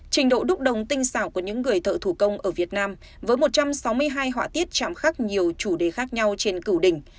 trình độ đúc đồng tinh xảo của những người thợ thủ công ở việt nam với một trăm sáu mươi hai họa tiết chạm khắc nhiều chủ đề khác nhau trên cửu đỉnh